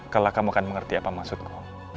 kalau kamu akan mengerti apa maksudku